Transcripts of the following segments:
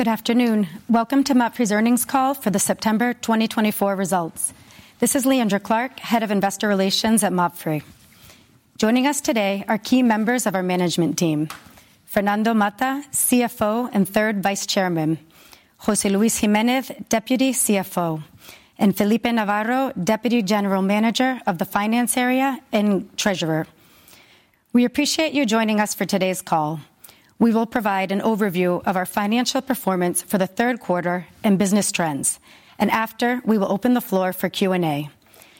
Good afternoon. Welcome to MAPFRE's earnings call for the September 2024 results. This is Leandra Clark, Head of Investor Relations at MAPFRE. Joining us today are key members of our management team: Fernando Mata, CFO and Third Vice Chairman, José Luis Jiménez, Deputy CFO, and Felipe Navarro, Deputy General Manager of the finance area and treasurer. We appreciate you joining us for today's call. We will provide an overview of our financial performance for the third quarter and business trends, and after, we will open the floor for Q&A.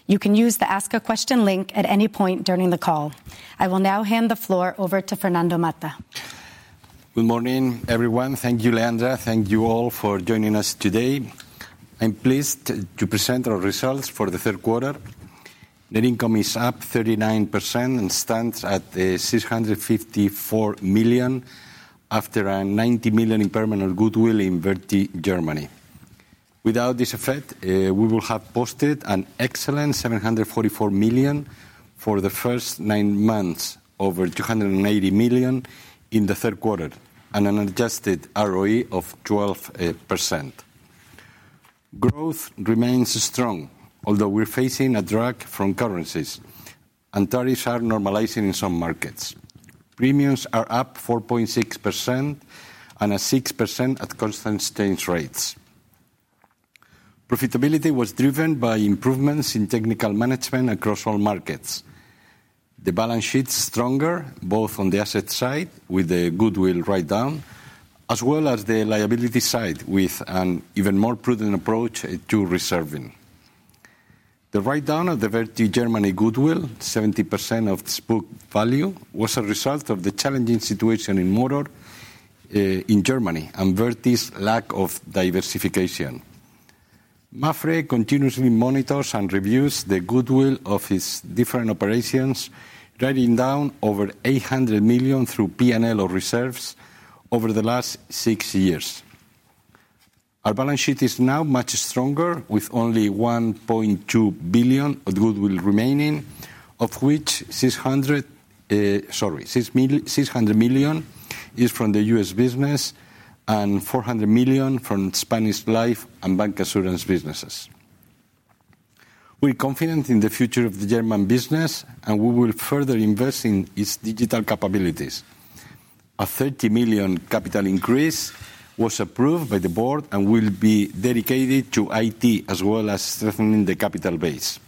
You can use the Ask a Question link at any point during the call. I will now hand the floor over to Fernando Mata. Good morning, everyone. Thank you, Leandra. Thank you all for joining us today. I'm pleased to present our results for the third quarter. Net income is up 39% and stands at 654 million, after a 90 million impairment of goodwill in Verti Germany. Without this effect, we will have posted an excellent 744 million for the first nine months, over 280 million in the third quarter, and an adjusted ROE of 12%. Growth remains strong, although we're facing a drag from currencies, and tariffs are normalizing in some markets. Premiums are up 4.6% and at 6% at constant exchange rates. Profitability was driven by improvements in technical management across all markets. The balance sheet's stronger, both on the asset side, with the goodwill write-down, as well as the liability side, with an even more prudent approach to reserving. The write-down of the Verti Germany goodwill, 70% of this book value, was a result of the challenging situation in motor in Germany, and Verti's lack of diversification. MAPFRE continuously monitors and reviews the goodwill of its different operations, writing down over 800 million through P&L or reserves over the last six years. Our balance sheet is now much stronger, with only 1.2 billion of goodwill remaining, of which 600 million is from the U.S. business and 400 million from Spanish life and bank insurance businesses. We're confident in the future of the German business, and we will further invest in its digital capabilities. A 30 million capital increase was approved by the board and will be dedicated to IT, as well as strengthening the capital base.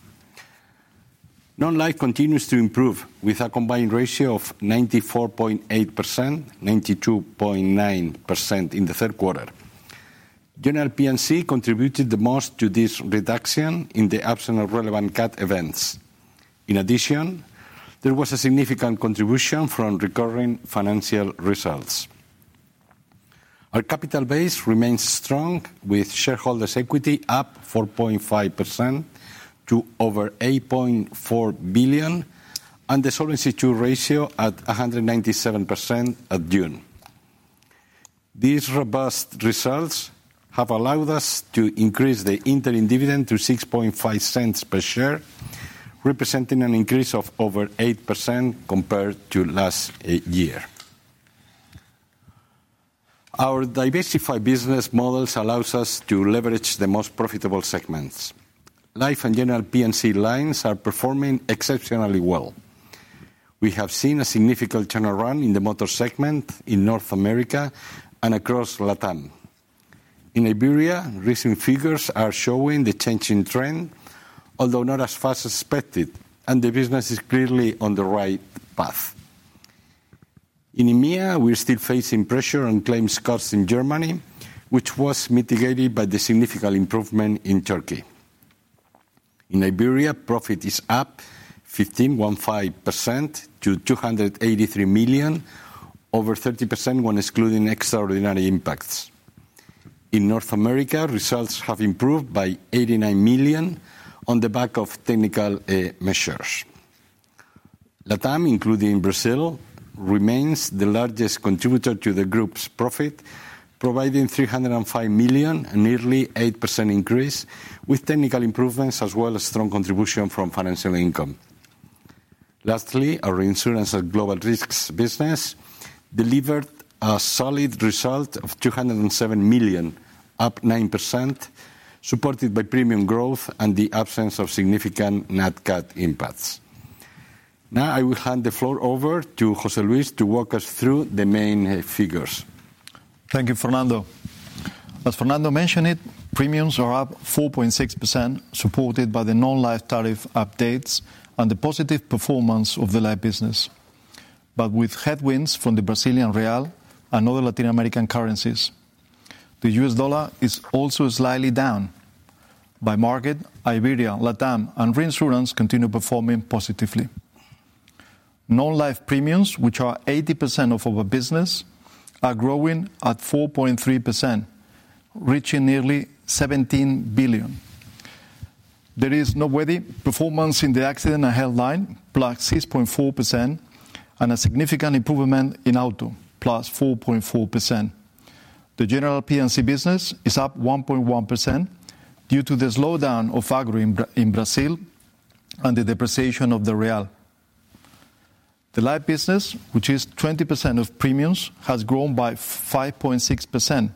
Non-life continues to improve, with a combined ratio of 94.8%, 92.9% in the third quarter. General P&C contributed the most to this reduction in the absence of relevant CAT events. In addition, there was a significant contribution from recurring financial results. Our capital base remains strong, with shareholders' equity up 4.5% to over 8.4 billion, and the Solvency II ratio at 197% at June. These robust results have allowed us to increase the interim dividend to 0.065 per share, representing an increase of over 8% compared to last year. Our diversified business models allows us to leverage the most profitable segments. Life and General P&C lines are performing exceptionally well. We have seen a significant turn around in the motor segment in North America and across LATAM. In Iberia, recent figures are showing the changing trend, although not as fast as expected, and the business is clearly on the right path. In EMEA, we're still facing pressure on claims costs in Germany, which was mitigated by the significant improvement in Turkey. In Iberia, profit is up 15% to 283 million, over 30% when excluding extraordinary impacts. In North America, results have improved by 89 million on the back of technical measures. LATAM, including Brazil, remains the largest contributor to the group's profit, providing 305 million, a nearly 8% increase, with technical improvements as well as strong contribution from financial income. Lastly, our reinsurance and global risks business delivered a solid result of 207 million, up 9%, supported by premium growth and the absence of significant net CAT impacts. Now, I will hand the floor over to José Luis to walk us through the main figures. Thank you, Fernando. As Fernando mentioned it, premiums are up 4.6%, supported by the non-life tariff updates and the positive performance of the life business, but with headwinds from the Brazilian real and other Latin American currencies. The US dollar is also slightly down. By market, Iberia, LATAM, and reinsurance continue performing positively. Non-life premiums, which are 80% of our business, are growing at 4.3%, reaching nearly 17 billion. There is noteworthy performance in the accident and health line, plus 6.4%, and a significant improvement in auto, plus 4.4%. The general P&C business is up 1.1% due to the slowdown of Agro in Brazil and the depreciation of the real. The life business, which is 20% of premiums, has grown by 5.6%.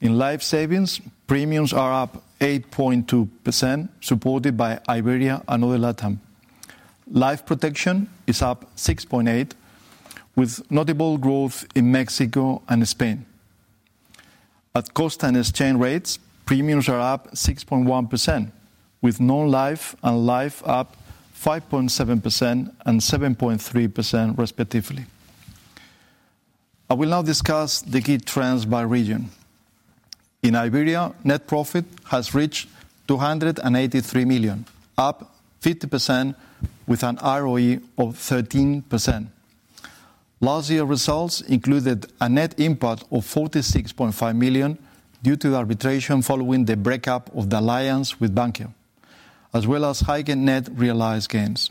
In Life Savings, premiums are up 8.2%, supported by Iberia and other Latam. Life Protection is up 6.8%, with notable growth in Mexico and Spain. At constant exchange rates, premiums are up 6.1%, with non-life and life up 5.7% and 7.3%, respectively. I will now discuss the key trends by region. In Iberia, net profit has reached 283 million, up 50% with an ROE of 13%. Last year's results included a net impact of 46.5 million due to arbitration following the breakup of the alliance with Bankia, as well as higher net realized gains.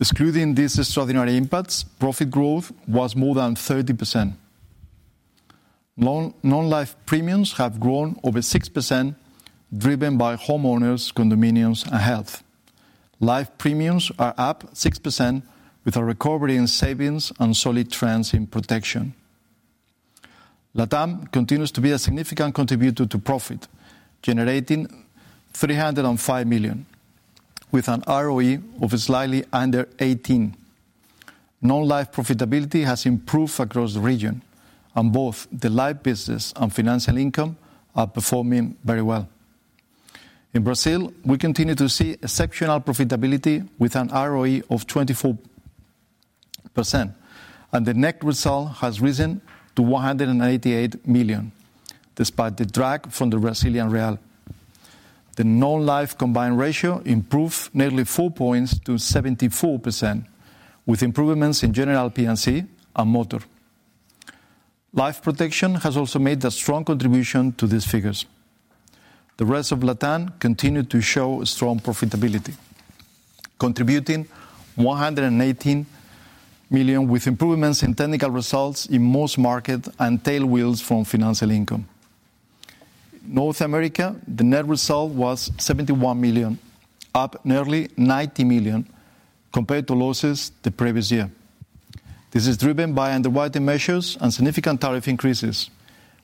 Excluding these extraordinary impacts, profit growth was more than 30%. Non-life premiums have grown over 6%, driven by homeowners, condominiums, and health. Life premiums are up 6%, with a recovery in Savings and solid trends in protection. LATAM continues to be a significant contributor to profit, generating 305 million, with an ROE of slightly under 18%. Non-life profitability has improved across the region, and both the life business and financial income are performing very well. In Brazil, we continue to see exceptional profitability with an ROE of 24%, and the net result has risen to 188 million, despite the drag from the Brazilian real. The non-life combined ratio improved nearly 4 points to 74%, with improvements in general P&C and motor. Life protection has also made a strong contribution to these figures. The rest of LATAM continued to show strong profitability, contributing 118 million, with improvements in technical results in most markets and tailwinds from financial income. North America, the net result was 71 million, up nearly 90 million compared to losses the previous year. This is driven by underwriting measures and significant tariff increases,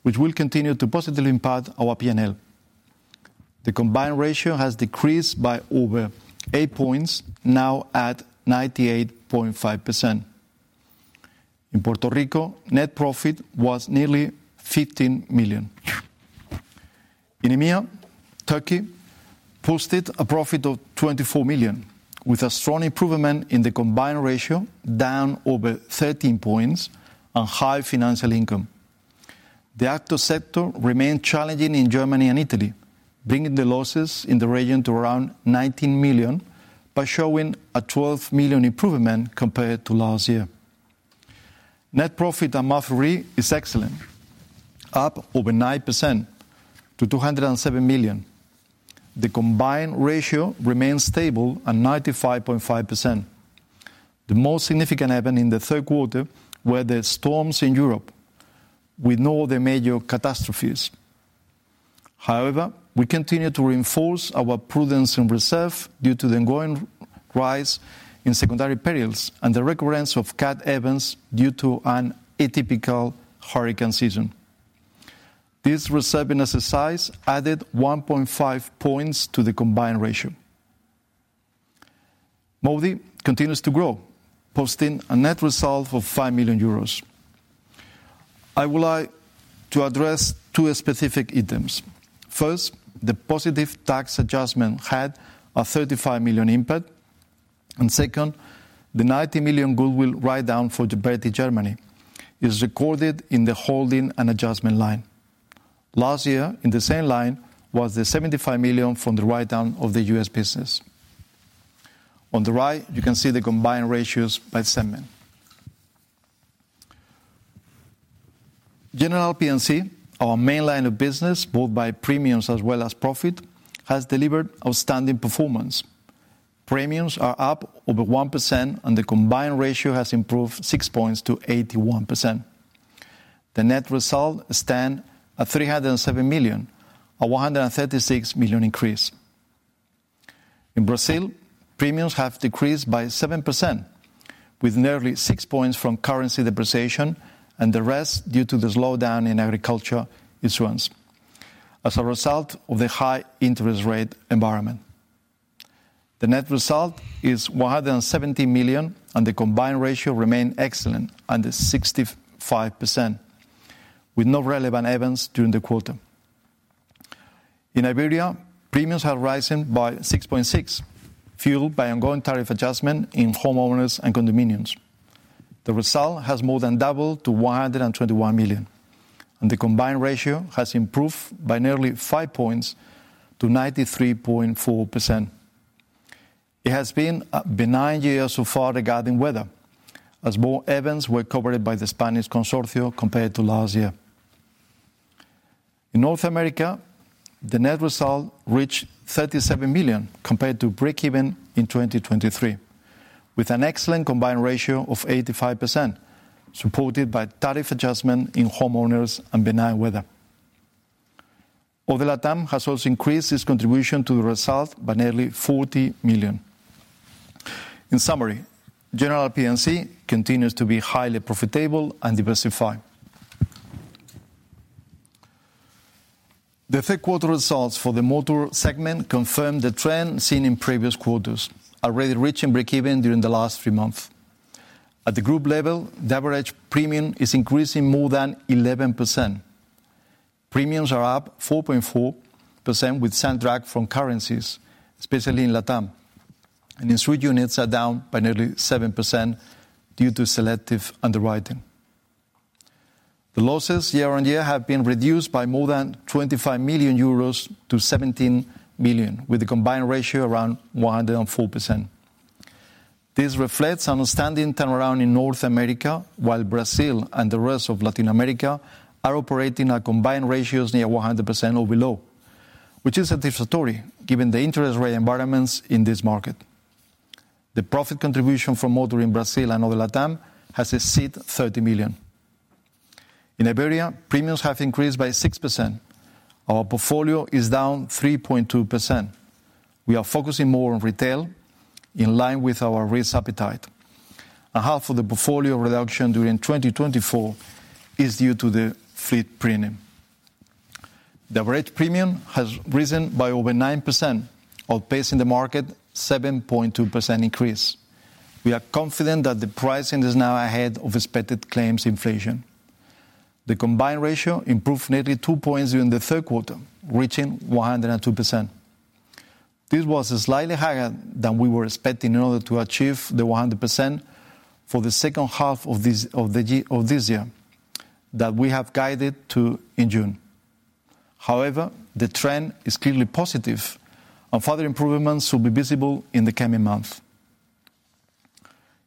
which will continue to positively impact our P&L. The combined ratio has decreased by over 8 points, now at 98.5%. In Puerto Rico, net profit was nearly 15 million. In EMEA, Turkey posted a profit of 24 million, with a strong improvement in the combined ratio, down over 13 points, and high financial income. The auto sector remained challenging in Germany and Italy, bringing the losses in the region to around 19 million, by showing a 12 million improvement compared to last year. Net profit at MAPFRE is excellent, up over 9% to 207 million. The combined ratio remains stable at 95.5%. The most significant event in the third quarter were the storms in Europe, with no other major catastrophes. However, we continue to reinforce our prudence and reserve due to the ongoing rise in secondary perils and the recurrence of cat events due to an atypical hurricane season. This reserve exercise added 1.5 points to the combined ratio. MAWDY continues to grow, posting a net result of 5 million euros. I would like to address two specific items. First, the positive tax adjustment had a 35 million impact, and second, the 90 million goodwill write-down for Verti Germany is recorded in the holding and adjustment line. Last year, in the same line, was the 75 million from the write-down of the U.S. business. On the right, you can see the combined ratios by segment. General P&C, our main line of business, both by premiums as well as profit, has delivered outstanding performance. Premiums are up over 1%, and the combined ratio has improved six points to 81%. The net result stand at 307 million, a 136 million increase. In Brazil, premiums have decreased by 7%, with nearly six points from currency depreciation, and the rest due to the slowdown in agriculture issuance as a result of the high interest rate environment. The net result is 170 million, and the combined ratio remained excellent, under 65%, with no relevant events during the quarter. In Iberia, premiums have risen by 6.6%, fueled by ongoing tariff adjustment in homeowners and condominiums. The result has more than doubled to 121 million, and the combined ratio has improved by nearly five points to 93.4%. It has been a benign year so far regarding weather, as more events were covered by the Spanish Consortium compared to last year. In North America, the net result reached 37 million compared to breakeven in 2023, with an excellent combined ratio of 85%, supported by tariff adjustment in homeowners and benign weather. Other LATAM has also increased its contribution to the result by nearly 40 million. In summary, General P&C continues to be highly profitable and diversified. The third quarter results for the motor segment confirmed the trend seen in previous quarters, already reaching breakeven during the last three months. At the group level, the average premium is increasing more than 11%. Premiums are up 4.4%, with some drag from currencies, especially in LATAM, and insured units are down by nearly 7% due to selective underwriting. The losses year on year have been reduced by more than 25 million euros to 17 million, with a combined ratio around 104%. This reflects an outstanding turnaround in North America, while Brazil and the rest of Latin America are operating at combined ratios near 100% or below, which is satisfactory given the interest rate environments in this market. The profit contribution from motor in Brazil and other LATAM has exceeded 30 million. In Iberia, premiums have increased by 6%. Our portfolio is down 3.2%. We are focusing more on retail, in line with our risk appetite, and half of the portfolio reduction during 2024 is due to the fleet premium. The average premium has risen by over 9%, outpacing the market 7.2% increase. We are confident that the pricing is now ahead of expected claims inflation. The combined ratio improved nearly two points during the third quarter, reaching 102%. This was slightly higher than we were expecting in order to achieve the 100% for the second half of this year, that we have guided to in June. However, the trend is clearly positive, and further improvements will be visible in the coming months.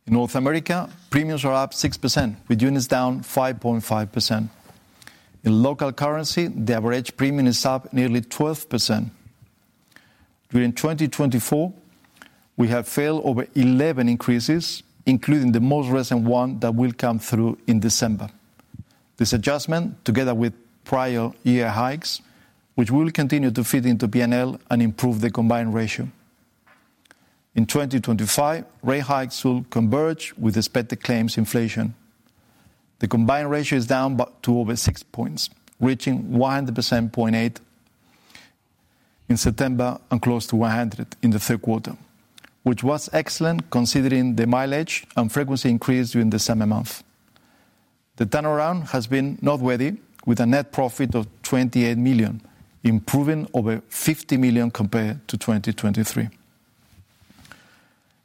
In North America, premiums are up 6%, with units down 5.5%. In local currency, the average premium is up nearly 12%. During 2024, we have filed over 11 increases, including the most recent one that will come through in December. This adjustment, together with prior year hikes, which will continue to feed into P&L and improve the combined ratio. In 2025, rate hikes will converge with expected claims inflation. The combined ratio is down by over 6 points, reaching 100.8% in September and close to 100 in the third quarter, which was excellent considering the mileage and frequency increase during the summer months. The turnaround has been noteworthy, with a net profit of 28 million, improving over 50 million compared to 2023.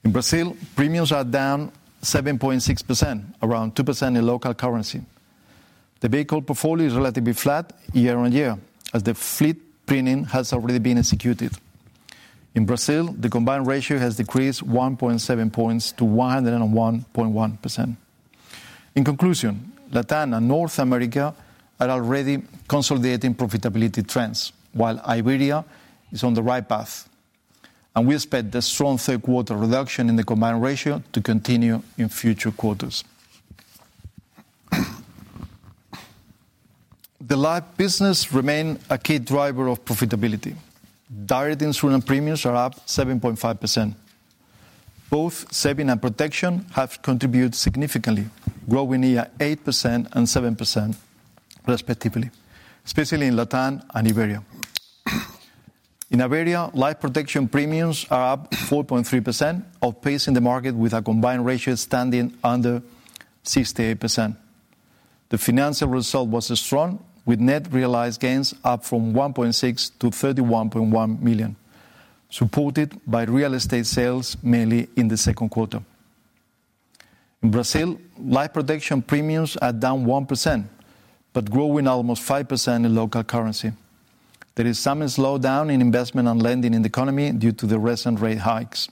In Brazil, premiums are down 7.6%, around 2% in local currency. The vehicle portfolio is relatively flat year on year, as the fleet premium has already been executed. In Brazil, the combined ratio has decreased 1.7 points to 101.1%. In conclusion, LATAM and North America are already consolidating profitability trends, while Iberia is on the right path, and we expect the strong third quarter reduction in the combined ratio to continue in future quarters. The life business remain a key driver of profitability. Direct insurance premiums are up 7.5%. Both Savings and protection have contributed significantly, growing near 8% and 7%, respectively, especially in LATAM and Iberia. In Iberia, Life Protection premiums are up 4.3%, outpacing the market with a combined ratio standing under 68%. The financial result was strong, with net realized gains up from 1.6 million to 31.1 million, supported by real estate sales, mainly in the second quarter. In Brazil, Life Protection premiums are down 1%, but growing almost 5% in local currency. There is some slowdown in investment and lending in the economy due to the recent rate hikes.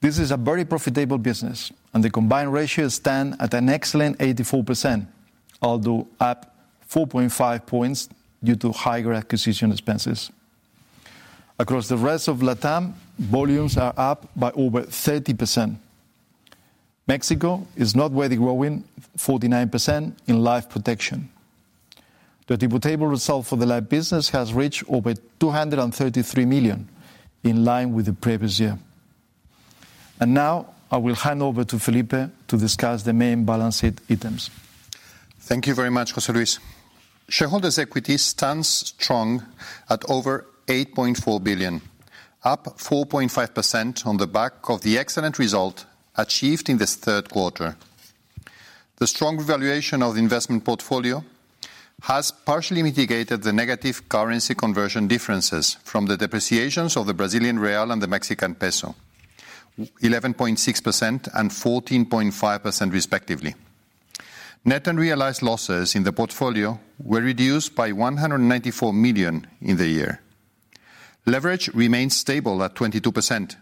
This is a very profitable business, and the combined ratio stand at an excellent 84%, although up 4.5 points due to higher acquisition expenses. Across the rest of LATAM, volumes are up by over 30%. Mexico is noteworthy, growing 49% in Life Protection. The technical result for the life business has reached over 233 million, in line with the previous year. Now, I will hand over to Felipe to discuss the main balance sheet items. Thank you very much, José Luis. Shareholders' equity stands strong at over 8.4 billion, up 4.5% on the back of the excellent result achieved in this third quarter. The strong valuation of the investment portfolio has partially mitigated the negative currency conversion differences from the depreciations of the Brazilian real and the Mexican peso, 11.6% and 14.5%, respectively. Net unrealized losses in the portfolio were reduced by 194 million in the year. Leverage remains stable at 22%,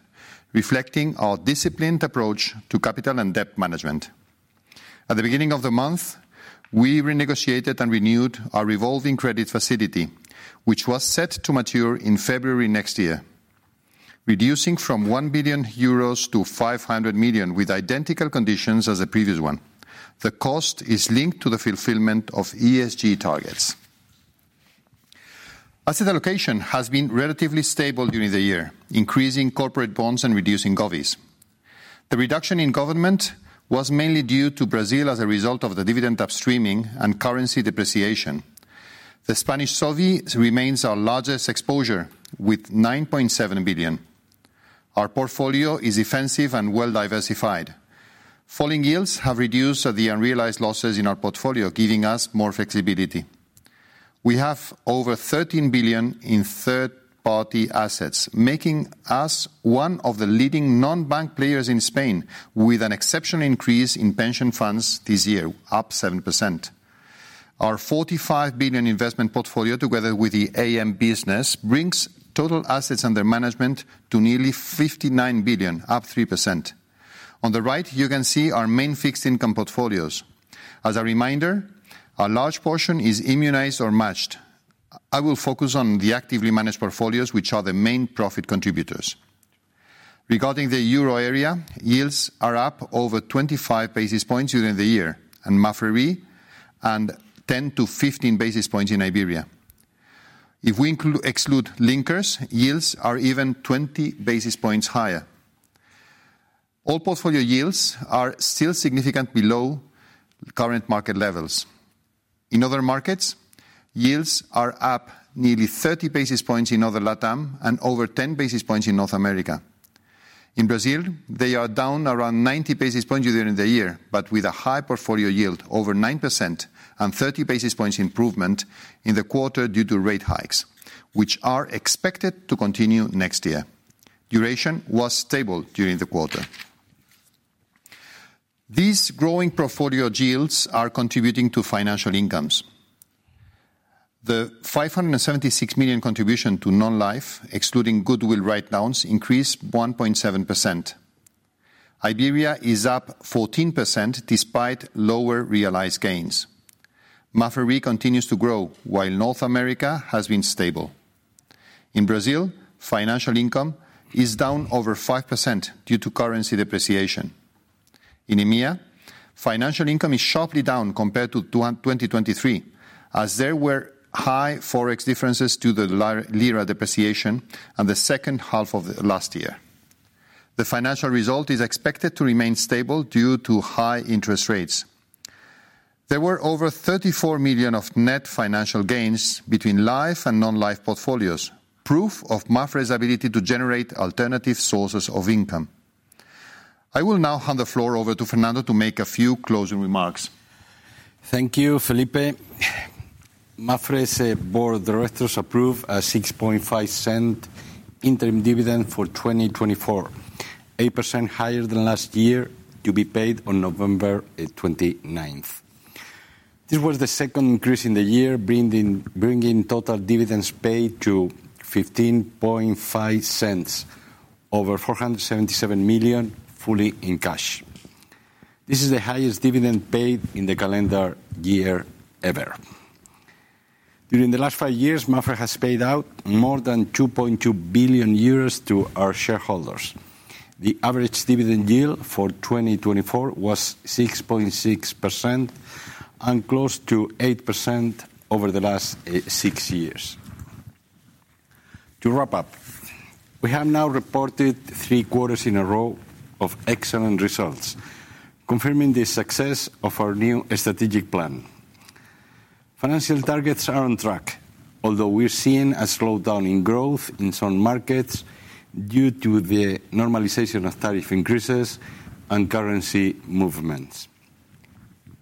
reflecting our disciplined approach to capital and debt management. At the beginning of the month, we renegotiated and renewed our revolving credit facility, which was set to mature in February next year, reducing from 1 billion euros to 500 million, with identical conditions as the previous one. The cost is linked to the fulfillment of ESG targets. Asset allocation has been relatively stable during the year, increasing corporate bonds and reducing govies. The reduction in government was mainly due to Brazil as a result of the dividend upstreaming and currency depreciation. The Spanish sovereign remains our largest exposure, with 9.7 billion. Our portfolio is defensive and well-diversified. Falling yields have reduced the unrealized losses in our portfolio, giving us more flexibility. We have over 13 billion in third-party assets, making us one of the leading non-bank players in Spain, with an exceptional increase in pension funds this year, up 7%. Our 45 billion investment portfolio, together with the AM business, brings total assets under management to nearly 59 billion, up 3%. On the right, you can see our main fixed income portfolios. As a reminder, a large portion is immunized or matched. I will focus on the actively managed portfolios, which are the main profit contributors. Regarding the euro area, yields are up over 25 basis points during the year, and in MAPFRE RE, and 10 to 15 basis points in Iberia. If we exclude linkers, yields are even 20 basis points higher. All portfolio yields are still significantly below current market levels. In other markets, yields are up nearly 30 basis points in other LATAM, and over 10 basis points in North America. In Brazil, they are down around 90 basis points during the year, but with a high portfolio yield, over 9%, and 30 basis points improvement in the quarter due to rate hikes, which are expected to continue next year. Duration was stable during the quarter. These growing portfolio yields are contributing to financial incomes. The 576 million contribution to non-life, excluding goodwill write-downs, increased 1.7%. Iberia is up 14%, despite lower realized gains. MAPFRE RE continues to grow, while North America has been stable. In Brazil, financial income is down over 5% due to currency depreciation. In EMEA, financial income is sharply down compared to 2023, as there were high Forex differences to the lira depreciation in the second half of the last year. The financial result is expected to remain stable due to high interest rates. There were over 34 million of net financial gains between life and non-life portfolios, proof of MAPFRE's ability to generate alternative sources of income. I will now hand the floor over to Fernando to make a few closing remarks. Thank you, Felipe. MAPFRE's board of directors approved a 6.5-cent interim dividend for 2024, 8% higher than last year, to be paid on November twenty-ninth. This was the second increase in the year, bringing total dividends paid to 15.5 cents, over 477 million, fully in cash. This is the highest dividend paid in the calendar year ever. During the last five years, MAPFRE has paid out more than 2.2 billion euros to our shareholders. The average dividend yield for 2024 was 6.6%, and close to 8% over the last six years. To wrap up, we have now reported three quarters in a row of excellent results, confirming the success of our new strategic plan. Financial targets are on track, although we're seeing a slowdown in growth in some markets due to the normalization of tariff increases and currency movements.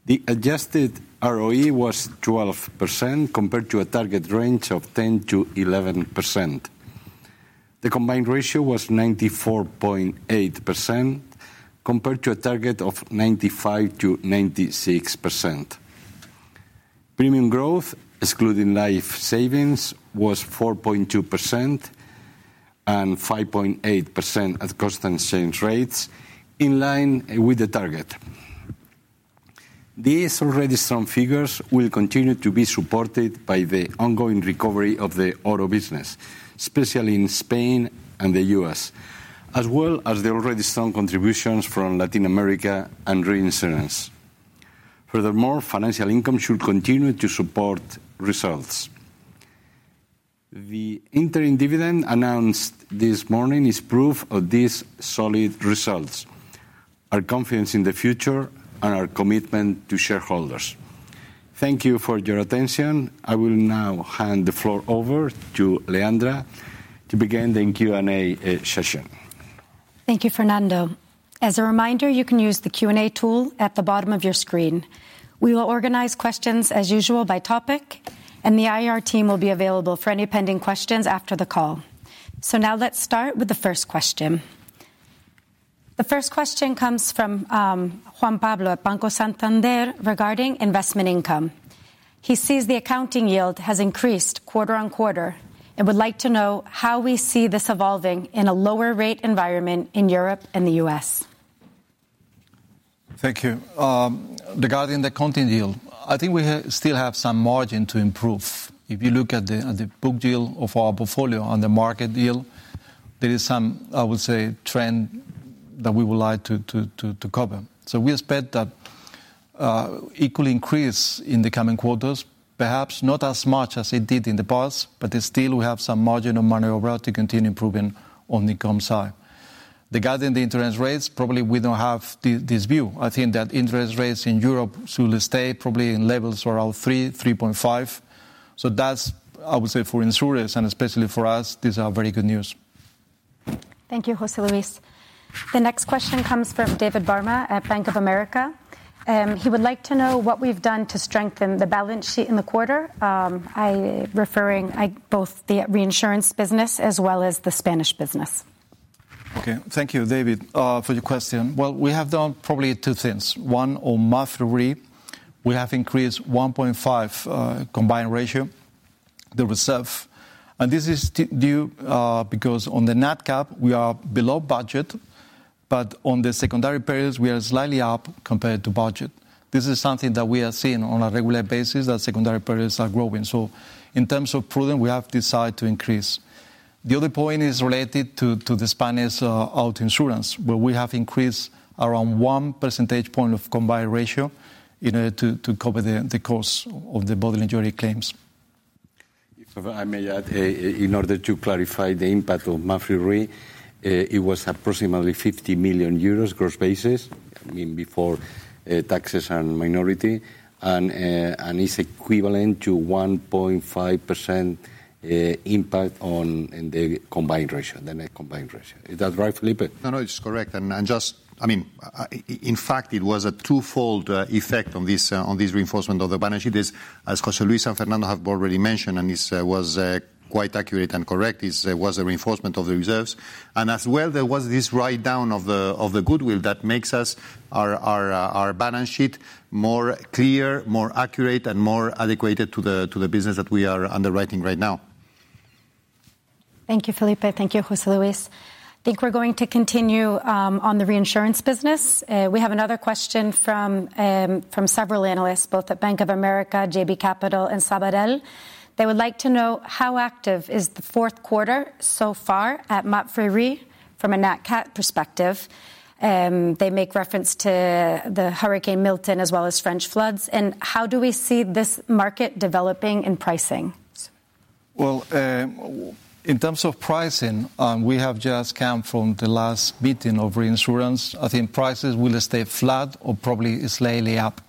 The adjusted ROE was 12%, compared to a target range of 10%-11%. The combined ratio was 94.8%, compared to a target of 95%-96%. Premium growth, excluding Life Savings, was 4.2%, and 5.8% at constant exchange rates, in line with the target. These already strong figures will continue to be supported by the ongoing recovery of the auto business, especially in Spain and the US, as well as the already strong contributions from Latin America and reinsurance. Furthermore, financial income should continue to support results. The interim dividend announced this morning is proof of these solid results, our confidence in the future, and our commitment to shareholders. Thank you for your attention. I will now hand the floor over to Leandra to begin the Q&A session. Thank you, Fernando. As a reminder, you can use the Q&A tool at the bottom of your screen. We will organize questions as usual by topic, and the IR team will be available for any pending questions after the call. So now let's start with the first question. The first question comes from Juan Pablo at Banco Santander regarding investment income. He sees the accounting yield has increased quarter on quarter and would like to know how we see this evolving in a lower rate environment in Europe and the US. ...Thank you. Regarding the accounting yield, I think we still have some margin to improve. If you look at the book value of our portfolio on the market value, there is some, I would say, trend that we would like to cover. So we expect that equal increase in the coming quarters, perhaps not as much as it did in the past, but still we have some margin of maneuver to continue improving on the income side. Regarding the interest rates, probably we don't have this view. I think that interest rates in Europe should stay probably in levels around 3-3.5. So that's, I would say, for insurers, and especially for us, these are very good news. Thank you, José Luis. The next question comes from David Barma at Bank of America. He would like to know what we've done to strengthen the balance sheet in the quarter. I'm referring to both the reinsurance business as well as the Spanish business. Okay. Thank you, David, for your question. Well, we have done probably two things. One, on MAPFRE RE, we have increased 1.5 combined ratio the reserve, and this is due because on the Nat Cat, we are below budget, but on the secondary perils, we are slightly up compared to budget. This is something that we are seeing on a regular basis, that secondary perils are growing. So in terms of prudence, we have decided to increase. The other point is related to the Spanish auto insurance, where we have increased around one percentage point of combined ratio in order to cover the cost of the bodily injury claims. If I may add, in order to clarify the impact of MAPFRE RE, it was approximately 50 million euros gross basis, I mean, before taxes and minority, and is equivalent to 1.5% impact on, in the combined ratio, the net combined ratio. Is that right, Felipe? No, no, it's correct. And just... I mean, in fact, it was a twofold effect on this reinforcement of the balance sheet. As José Luis and Fernando have already mentioned, and this was quite accurate and correct, this was a reinforcement of the reserves. And as well, there was this write-down of the goodwill that makes our balance sheet more clear, more accurate, and more adequately to the business that we are underwriting right now. Thank you, Felipe. Thank you, José Luis. I think we're going to continue on the reinsurance business. We have another question from several analysts, both at Bank of America, JB Capital, and Sabadell. They would like to know how active is the fourth quarter so far at MAPFRE RE from a Nat Cat perspective. They make reference to the Hurricane Milton as well as French floods, and how do we see this market developing in pricing? In terms of pricing, we have just come from the last meeting of reinsurance. I think prices will stay flat or probably slightly up.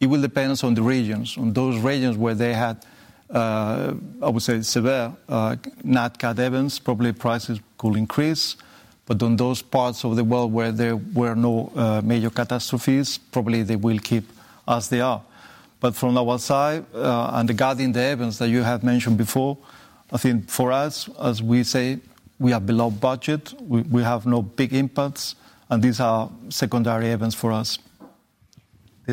It will depends on the regions. On those regions where they had, I would say, severe Nat Cat events, probably prices could increase, but on those parts of the world where there were no major catastrophes, probably they will keep as they are. But from our side, and regarding the events that you have mentioned before, I think for us, as we say, we are below budget, we have no big impacts, and these are secondary events for us.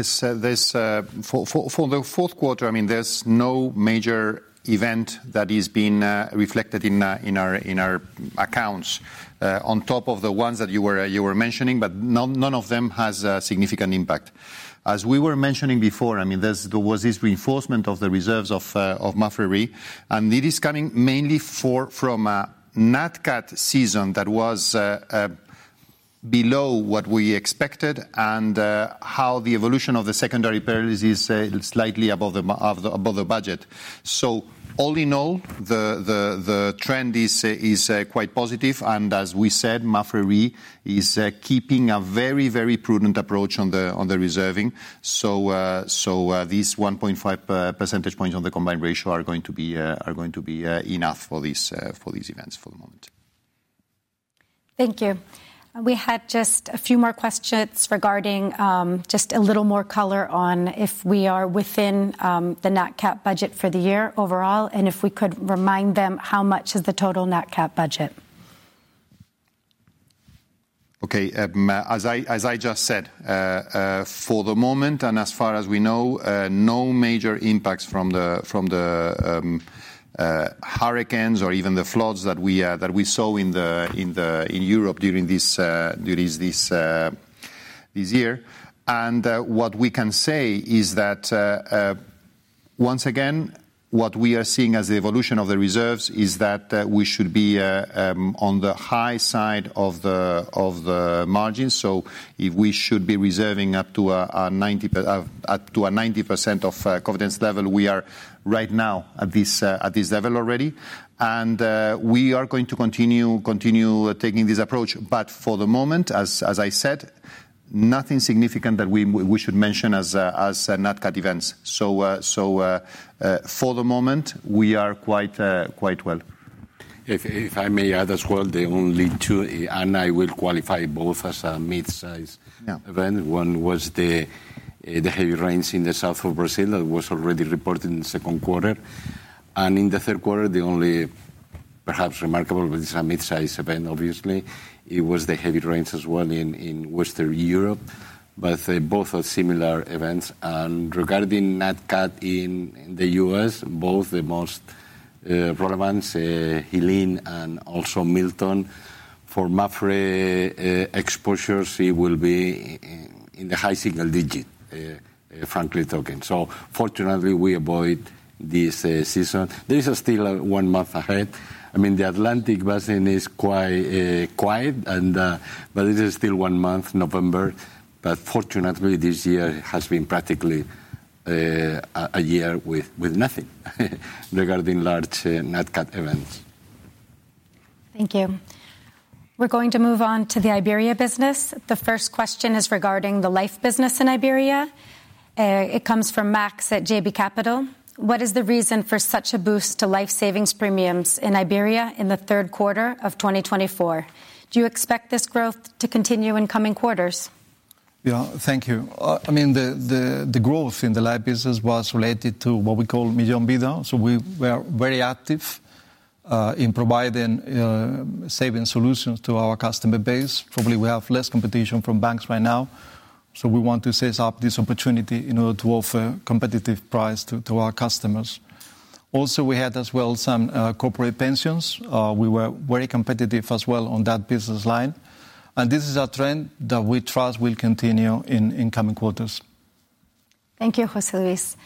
For the fourth quarter, I mean, there's no major event that is being reflected in our accounts on top of the ones that you were mentioning, but none of them has a significant impact. As we were mentioning before, I mean, there was this reinforcement of the reserves of MAPFRE RE, and it is coming mainly from a Nat Cat season that was below what we expected and how the evolution of the secondary perils is slightly above the budget. So all in all, the trend is quite positive, and as we said, MAPFRE RE is keeping a very prudent approach on the reserving. These 1.5 percentage points on the combined ratio are going to be enough for these events for the moment. Thank you. We had just a few more questions regarding, just a little more color on if we are within, the Nat Cat budget for the year overall, and if we could remind them how much is the total Nat Cat budget. Okay. As I just said, for the moment, and as far as we know, no major impacts from the hurricanes or even the floods that we saw in Europe during this year. And what we can say is that, once again, what we are seeing as the evolution of the reserves is that we should be on the high side of the margins. So if we should be reserving up to a 90% confidence level, we are right now at this level already. And we are going to continue taking this approach. But for the moment, as I said, nothing significant that we should mention as Nat Cat events. So, for the moment, we are quite well. If I may add as well, the only two, and I will qualify both as a mid-size- Yeah ...event, one was the heavy rains in the south of Brazil, that was already reported in the second quarter. In the third quarter, the only perhaps remarkable, but it's a mid-size event, obviously, it was the heavy rains as well in Western Europe. But both are similar events. Regarding Nat Cat in the US, both the most relevance, Helene and also Milton... for MAPFRE exposures, it will be in the high single digit, frankly talking. So fortunately, we avoid this season. This is still one month ahead. I mean, the Atlantic basin is quite quiet, but it is still one month, November. Fortunately, this year has been practically a year with nothing regarding large Nat Cat events. Thank you. We're going to move on to the Iberia business. The first question is regarding the life business in Iberia. It comes from Max at JB Capital. What is the reason for such a boost to Life Savings premiums in Iberia in the third quarter of 2024? Do you expect this growth to continue in coming quarters? Yeah, thank you. I mean, the growth in the life business was related to what we call Millón Vida. So we were very active in providing Saving solutions to our customer base. Probably, we have less competition from banks right now, so we want to seize up this opportunity in order to offer competitive price to our customers. Also, we had as well some corporate pensions. We were very competitive as well on that business line, and this is a trend that we trust will continue in coming quarters. Thank you, José Luis.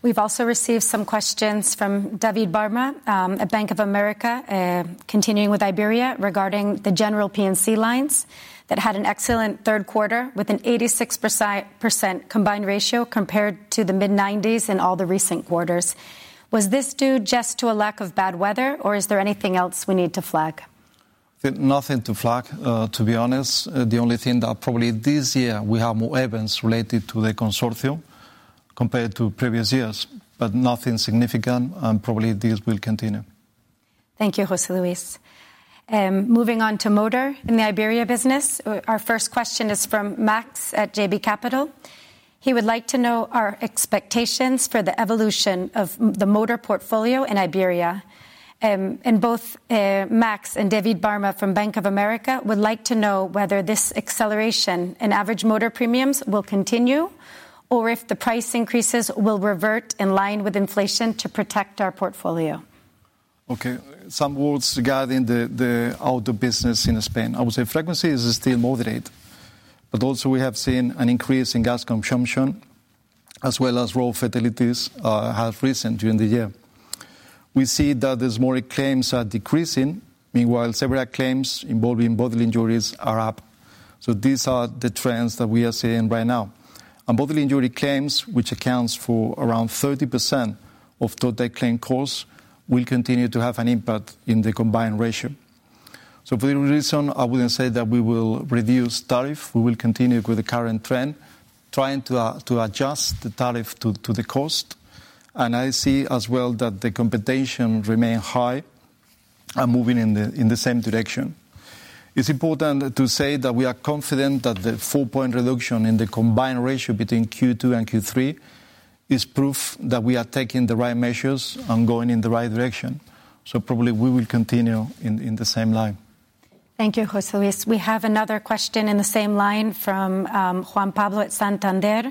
We've also received some questions from David Barma at Bank of America, continuing with Iberia, regarding the General P&C lines that had an excellent third quarter, with an 86% combined ratio compared to the mid-90s% in all the recent quarters. Was this due just to a lack of bad weather, or is there anything else we need to flag? Nothing to flag, to be honest. The only thing that probably this year we have more events related to the Consortium compared to previous years, but nothing significant, and probably this will continue. Thank you, José Luis. Moving on to motor in the Iberia business, our first question is from Max at JB Capital. He would like to know our expectations for the evolution of the motor portfolio in Iberia, and both Max and David Barma from Bank of America would like to know whether this acceleration in average motor premiums will continue, or if the price increases will revert in line with inflation to protect our portfolio. Okay, some words regarding the auto business in Spain. I would say frequency is still moderate, but also we have seen an increase in gas consumption, as well as road fatalities have risen during the year. We see that the small claims are decreasing. Meanwhile, several claims involving bodily injuries are up, so these are the trends that we are seeing right now. And bodily injury claims, which accounts for around 30% of total claim costs, will continue to have an impact in the combined ratio. So for that reason, I wouldn't say that we will reduce tariff. We will continue with the current trend, trying to adjust the tariff to the cost, and I see as well that the competition remain high and moving in the same direction. It's important to say that we are confident that the four-point reduction in the combined ratio between Q2 and Q3 is proof that we are taking the right measures and going in the right direction, so probably we will continue in the same line. Thank you, José Luis. We have another question in the same line from Juan Pablo at Santander,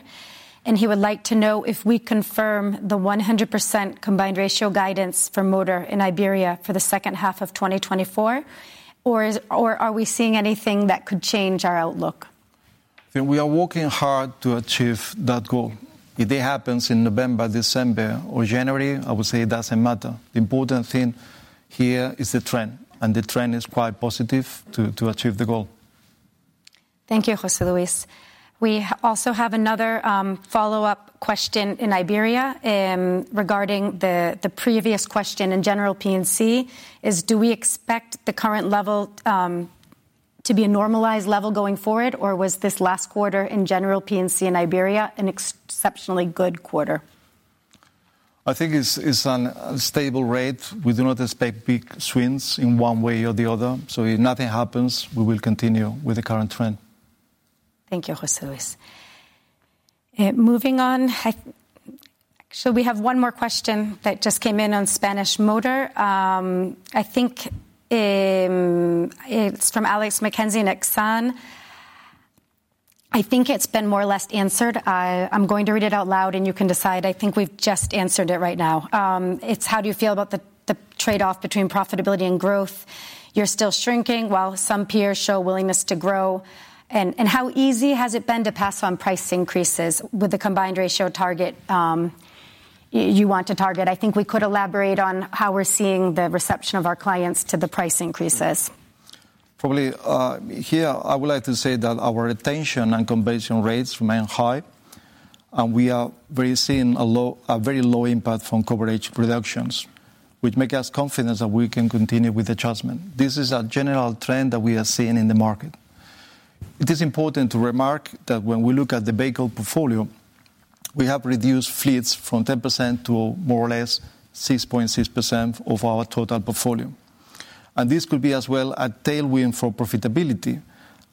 and he would like to know if we confirm the 100% combined ratio guidance for motor in Iberia for the second half of 2024, or are we seeing anything that could change our outlook? We are working hard to achieve that goal. If it happens in November, December, or January, I would say it doesn't matter. The important thing here is the trend, and the trend is quite positive to achieve the goal. Thank you, José Luis. We also have another follow-up question in Iberia regarding the previous question in General P&C: Do we expect the current level to be a normalized level going forward, or was this last quarter in General P&C in Iberia an exceptionally good quarter? I think it's a stable rate. We do not expect big swings in one way or the other. So if nothing happens, we will continue with the current trend. Thank you, José Luis. Moving on, we have one more question that just came in on Spanish motor. I think it's from Alex Mackenzie in Exane. I think it's been more or less answered. I'm going to read it out loud, and you can decide. I think we've just answered it right now. It's how do you feel about the trade-off between profitability and growth? You're still shrinking, while some peers show willingness to grow. And how easy has it been to pass on price increases with the combined ratio target you want to target? I think we could elaborate on how we're seeing the reception of our clients to the price increases. Probably, here, I would like to say that our retention and conversion rates remain high, and we are very seeing a low, a very low impact from coverage reductions, which make us confidence that we can continue with adjustment. This is a general trend that we are seeing in the market. It is important to remark that when we look at the vehicle portfolio, we have reduced fleets from 10% to more or less 6.6% of our total portfolio, and this could be as well a tailwind for profitability,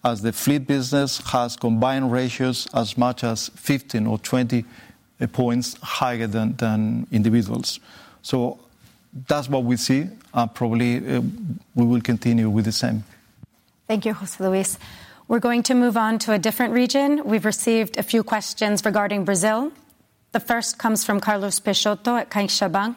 as the fleet business has combined ratios as much as 15 or 20 points higher than individuals. So that's what we see, and probably, we will continue with the same. Thank you, José Luis. We're going to move on to a different region. We've received a few questions regarding Brazil. The first comes from Carlos Peixoto at CaixaBank,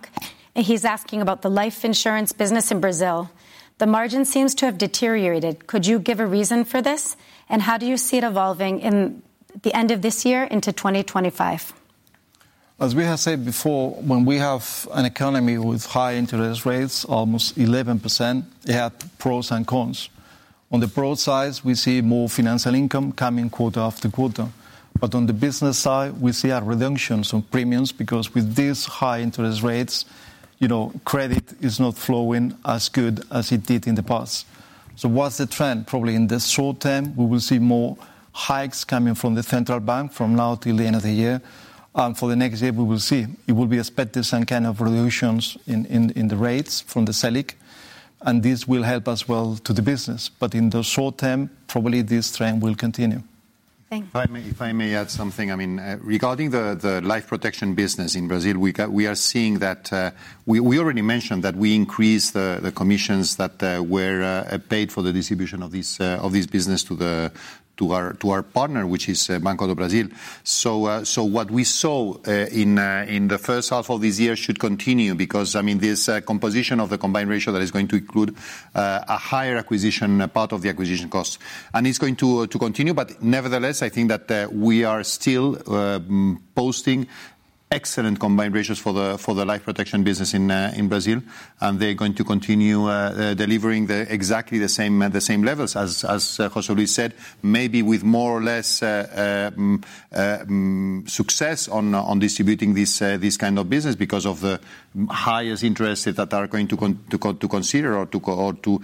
and he's asking about the life insurance business in Brazil. The margin seems to have deteriorated. Could you give a reason for this, and how do you see it evolving in the end of this year into 2025? As we have said before, when we have an economy with high interest rates, almost 11%, it have pros and cons. On the pros side, we see more financial income coming quarter after quarter. But on the business side, we see a reduction on premiums, because with these high interest rates, you know, credit is not flowing as good as it did in the past. So what's the trend? Probably in the short term, we will see more hikes coming from the central bank from now till the end of the year. For the next year, we will see. It will be expected some kind of reductions in the rates from the Selic, and this will help as well to the business. But in the short term, probably this trend will continue. Thank you. If I may add something, I mean, regarding the Life Protection business in Brazil, we are seeing that. We already mentioned that we increased the commissions that were paid for the distribution of this business to our partner, which is Banco do Brasil. So, so what we saw in the first half of this year should continue, because, I mean, this composition of the combined ratio that is going to include a higher acquisition part of the acquisition costs. And it's going to continue, but nevertheless, I think that we are still posting excellent combined ratios for the Life Protection business in Brazil, and they're going to continue delivering exactly the same levels as José Luis said, maybe with more or less success on distributing this kind of business because of the highest interests that are going to continue to constrain or to cool or to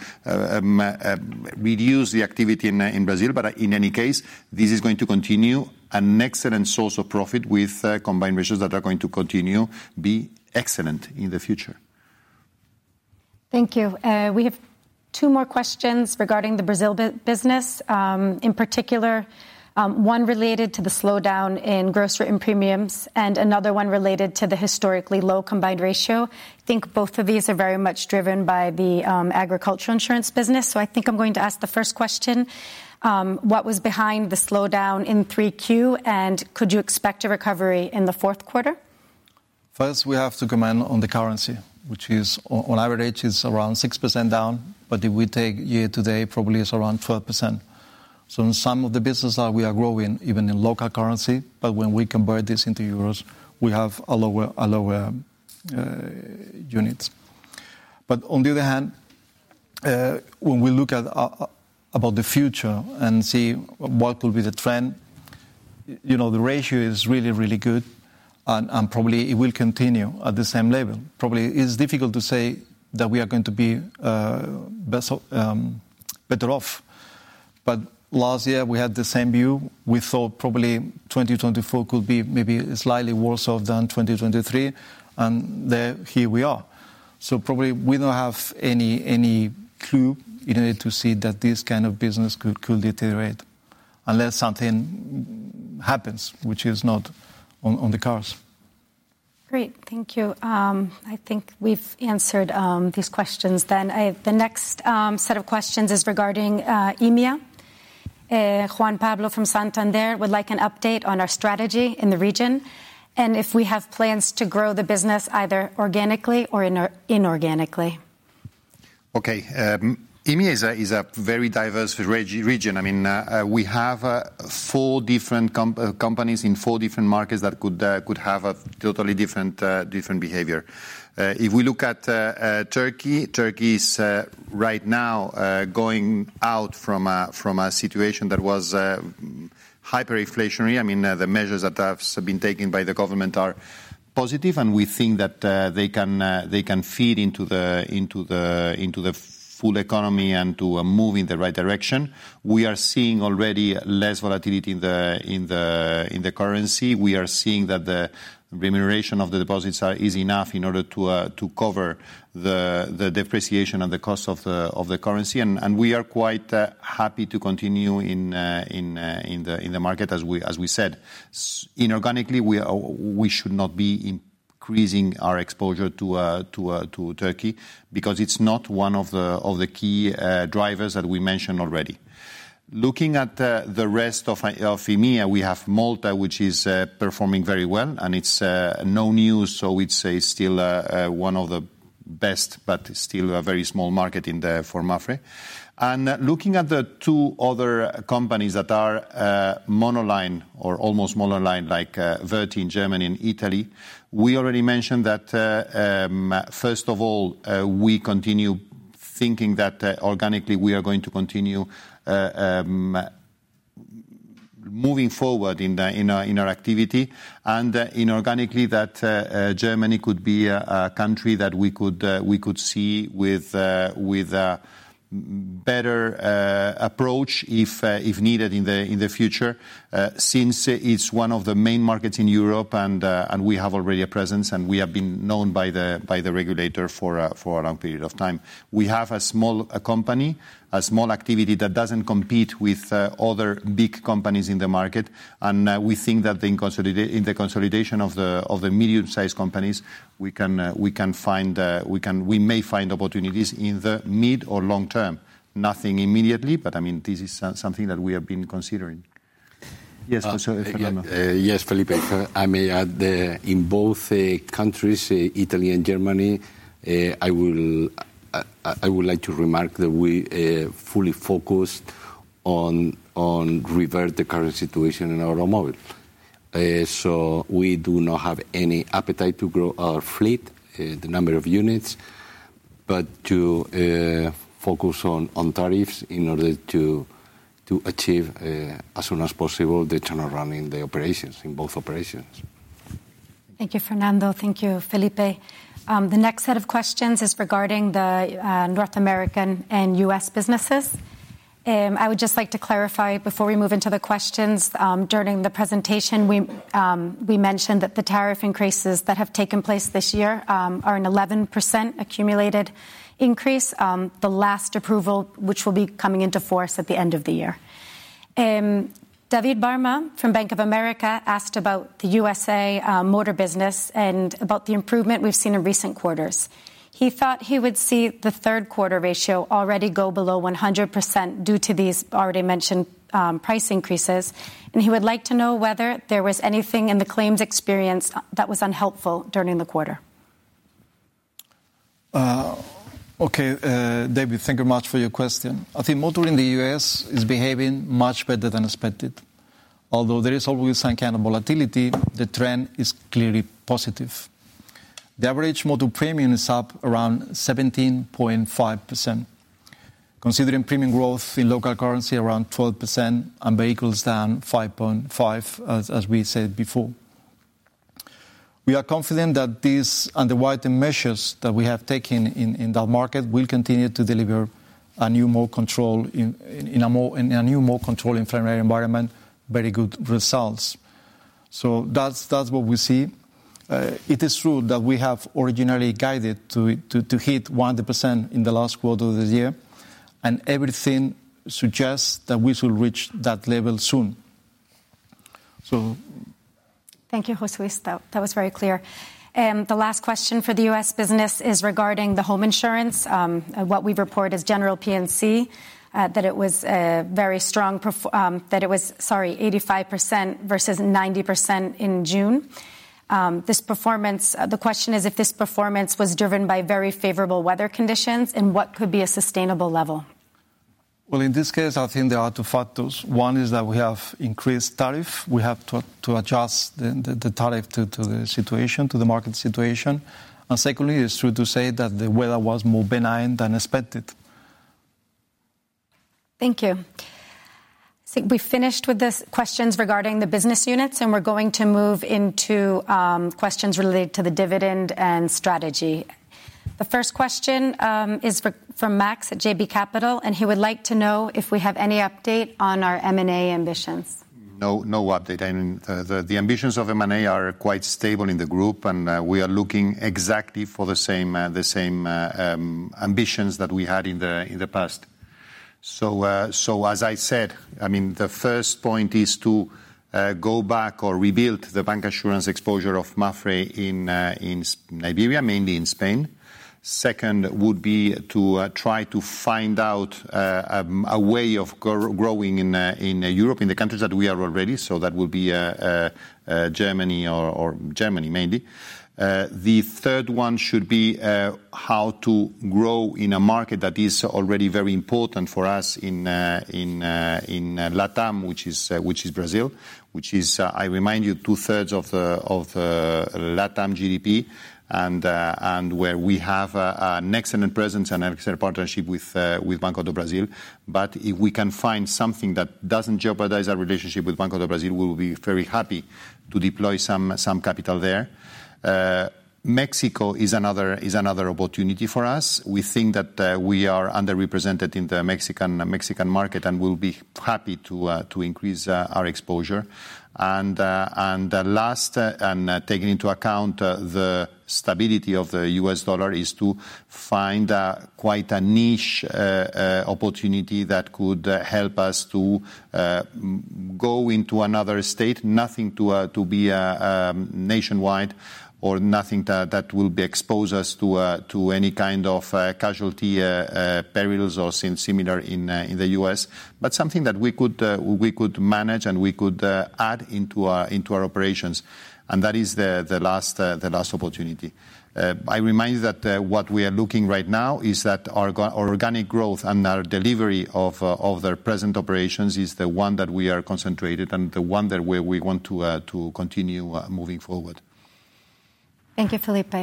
reduce the activity in Brazil. But in any case, this is going to continue an excellent source of profit with combined ratios that are going to continue be excellent in the future. Thank you. We have two more questions regarding the Brazil business, in particular, one related to the slowdown in gross written premiums and another one related to the historically low combined ratio. I think both of these are very much driven by the agricultural insurance business, so I think I'm going to ask the first question. What was behind the slowdown in 3Q, and could you expect a recovery in the fourth quarter? First, we have to comment on the currency, which is, on average, around 6% down, but if we take year to date, probably is around 12%. So in some of the business that we are growing, even in local currency, but when we convert this into euros, we have a lower units. But on the other hand, when we look at about the future and see what will be the trend, you know, the ratio is really good, and probably it will continue at the same level. Probably, it's difficult to say that we are going to be better off. But last year we had the same view. We thought probably 2024 could be maybe slightly worse off than 2023, and here we are. Probably we don't have any clue in order to see that this kind of business could deteriorate, unless something happens, which is not on the cards. Great. Thank you. I think we've answered these questions then. The next set of questions is regarding EMEA. Juan Pablo from Santander would like an update on our strategy in the region, and if we have plans to grow the business either organically or inorganically. Okay. EMEA is a very diverse region. I mean, we have four different companies in four different markets that could have a totally different behavior. If we look at Turkey, Turkey is right now going out from a situation that was hyperinflationary. I mean, the measures that have been taken by the government are positive, and we think that they can feed into the full economy and move in the right direction. We are seeing already less volatility in the currency. We are seeing that the remuneration of the deposits is enough in order to cover the depreciation and the cost of the currency. We are quite happy to continue in the market, as we said. Inorganically, we should not be increasing our exposure to Turkey, because it's not one of the key drivers that we mentioned already. Looking at the rest of EMEA, we have Malta, which is performing very well, and it's no news, so we'd say still one of the best, but still a very small market in the for MAPFRE. Looking at the two other companies that are monoline or almost monoline, like Verti in Germany and Italy, we already mentioned that. First of all, we continue thinking that organically we are going to continue moving forward in our activity, and inorganically Germany could be a country that we could see with a better approach, if needed in the future, since it's one of the main markets in Europe, and we have already a presence, and we have been known by the regulator for a long period of time. We have a small company, a small activity that doesn't compete with other big companies in the market, and we think that in the consolidation of the medium-sized companies, we may find opportunities in the mid or long term. Nothing immediately, but I mean, this is something that we have been considering.... Yes, Fernando. Yes, Felipe. I may add, in both countries, Italy and Germany, I would like to remark that we fully focused on revert the current situation in automobile. So we do not have any appetite to grow our fleet, the number of units, but to focus on tariffs in order to achieve, as soon as possible, the turnaround in the operations, in both operations. Thank you, Fernando. Thank you, Felipe. The next set of questions is regarding the North American and US businesses. I would just like to clarify before we move into the questions. During the presentation, we mentioned that the tariff increases that have taken place this year are an 11% accumulated increase, the last approval, which will be coming into force at the end of the year. David Barma from Bank of America asked about the USA motor business and about the improvement we've seen in recent quarters. He thought he would see the third quarter ratio already go below 100% due to these already mentioned price increases, and he would like to know whether there was anything in the claims experience that was unhelpful during the quarter. Okay, David, thank you much for your question. I think motor in the US is behaving much better than expected. Although there is always some kind of volatility, the trend is clearly positive. The average motor premium is up around 17.5%. Considering premium growth in local currency, around 12%, and vehicles down 5.5, as we said before. We are confident that these underwriting measures that we have taken in that market will continue to deliver more control in a more controlled inflationary environment, very good results. So that's what we see. It is true that we have originally guided to hit 100% in the last quarter of the year, and everything suggests that we shall reach that level soon. So... Thank you, José Luis. That was very clear. The last question for the US business is regarding the home insurance, what we report as General P&C, that it was a very strong performance, sorry, 85% versus 90% in June. This performance. The question is if this performance was driven by very favorable weather conditions, and what could be a sustainable level? In this case, I think there are two factors. One is that we have increased tariff. We have to adjust the tariff to the situation, to the market situation. Secondly, it's true to say that the weather was more benign than expected. Thank you. I think we've finished with the questions regarding the business units, and we're going to move into questions related to the dividend and strategy. The first question is from Max at JB Capital, and he would like to know if we have any update on our M&A ambitions. No, no update. The ambitions of M&A are quite stable in the group, and we are looking exactly for the same ambitions that we had in the past. So, as I said, I mean, the first point is to go back or rebuild the bank insurance exposure of MAPFRE in Iberia, mainly in Spain. Second, would be to try to find out a way of growing in Europe, in the countries that we are already. So that would be Germany or Italy, mainly. The third one should be how to grow in a market that is already very important for us in Latam, which is Brazil, which is, I remind you, two-thirds of the Latam GDP, and where we have an excellent presence and excellent partnership with Banco do Brasil. But if we can find something that doesn't jeopardize our relationship with Banco do Brasil, we will be very happy to deploy some capital there. Mexico is another opportunity for us. We think that we are underrepresented in the Mexican market and will be happy to increase our exposure. And last, taking into account the stability of the US dollar, is to find quite a niche opportunity that could help us to go into another state. Nothing to be nationwide or nothing that will expose us to any kind of casualty perils or similar in the US, but something that we could manage, and we could add into our operations, and that is the last opportunity. I remind you that what we are looking right now is that our organic growth and our delivery of the present operations is the one that we are concentrated, and the one that where we want to continue moving forward. Thank you, Felipe.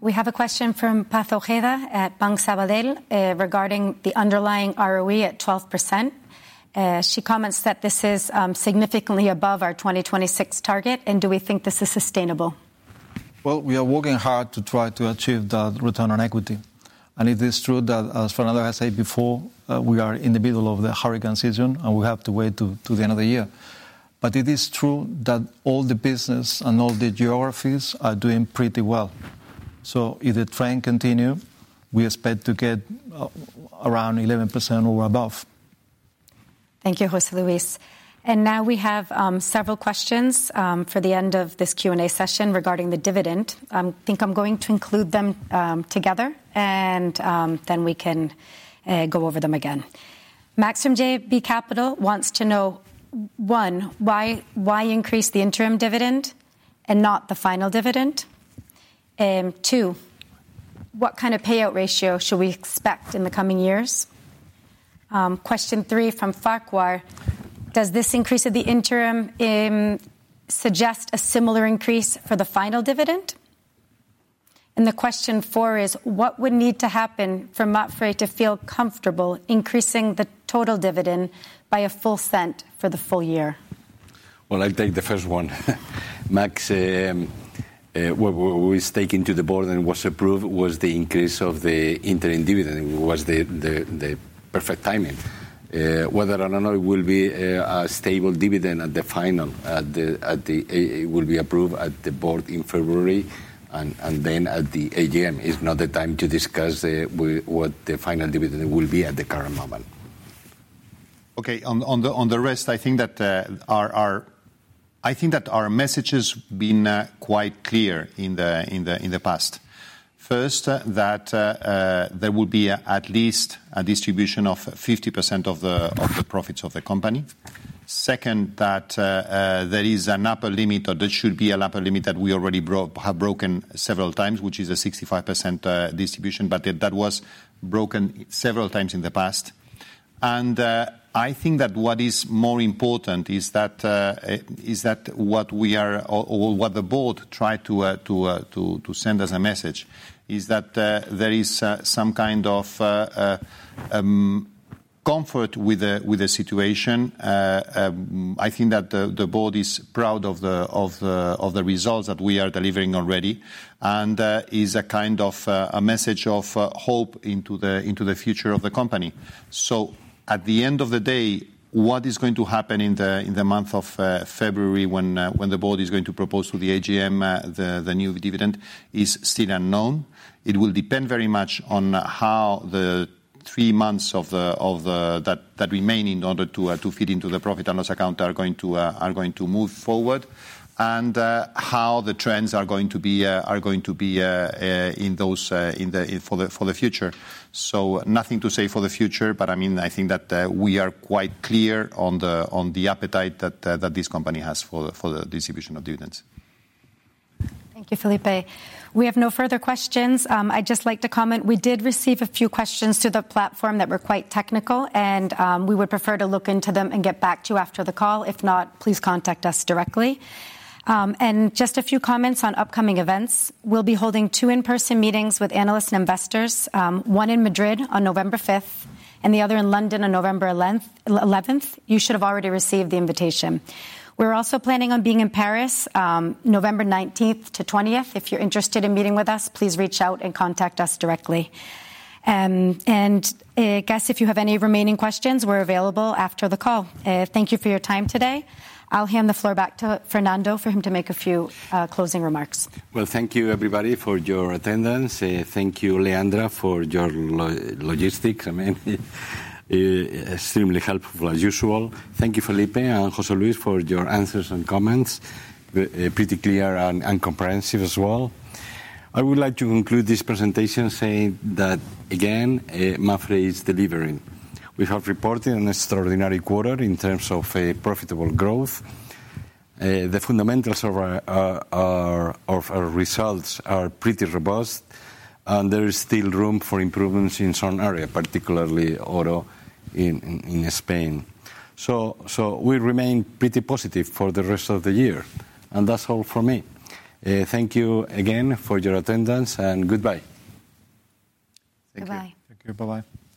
We have a question from Paz Ojeda at Banco Sabadell, regarding the underlying ROE at 12%. She comments that this is significantly above our 2026 target, and do we think this is sustainable? We are working hard to try to achieve that return on equity, and it is true that, as Fernando has said before, we are in the middle of the hurricane season, and we have to wait to the end of the year. But it is true that all the business and all the geographies are doing pretty well. So if the trend continue, we expect to get around 11% or above. Thank you, José Luis. And now we have several questions for the end of this Q&A session regarding the dividend. I think I'm going to include them together, and then we can go over them again. Maksym JB Capital wants to know, one, why, why increase the interim dividend and not the final dividend? Two, what kind of payout ratio should we expect in the coming years? Question three from Farquhar: Does this increase of the interim suggest a similar increase for the final dividend? And the question four is: What would need to happen for MAPFRE to feel comfortable increasing the total dividend by a full cent for the full year? I'll take the first one. Max, what was taken to the board and was approved was the increase of the interim dividend. It was the perfect timing. Whether or not it will be a stable dividend at the final. It will be approved at the board in February and then at the AGM. It's not the time to discuss what the final dividend will be at the current moment. Okay, on the rest, I think that our message has been quite clear in the past. First, that there will be at least a distribution of 50% of the profits of the company. Second, that there is an upper limit, or there should be an upper limit, that we already broke, have broken several times, which is a 65% distribution, but that was broken several times in the past. And I think that what is more important is that what we are, or what the board tried to send as a message, is that there is some kind of comfort with the situation. I think that the board is proud of the results that we are delivering already, and is a kind of a message of hope into the future of the company. So at the end of the day, what is going to happen in the month of February, when the board is going to propose to the AGM the new dividend, is still unknown. It will depend very much on how the three months that remain in order to fit into the profit and loss account are going to move forward, and how the trends are going to be in the future. So nothing to say for the future, but, I mean, I think that we are quite clear on the appetite that this company has for the distribution of dividends. Thank you, Felipe. We have no further questions. I'd just like to comment, we did receive a few questions through the platform that were quite technical, and, we would prefer to look into them and get back to you after the call. If not, please contact us directly. And just a few comments on upcoming events. We'll be holding two in-person meetings with analysts and investors, one in Madrid on November fifth, and the other in London on November eleventh. You should have already received the invitation. We're also planning on being in Paris, November nineteenth to twentieth. If you're interested in meeting with us, please reach out and contact us directly. And, guests, if you have any remaining questions, we're available after the call. Thank you for your time today. I'll hand the floor back to Fernando for him to make a few closing remarks. Thank you, everybody, for your attendance. Thank you, Leandra, for your logistics. I mean, extremely helpful as usual. Thank you, Felipe and José Luis, for your answers and comments. Pretty clear and comprehensive as well. I would like to conclude this presentation saying that, again, MAPFRE is delivering. We have reported an extraordinary quarter in terms of a profitable growth. The fundamentals of our results are pretty robust, and there is still room for improvements in some areas, particularly auto in Spain, so we remain pretty positive for the rest of the year, and that's all for me. Thank you again for your attendance, and goodbye. Goodbye. Thank you. Bye-bye.